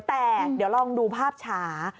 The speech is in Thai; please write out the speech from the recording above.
แต่เดี๋ยวลองดูภาพช้า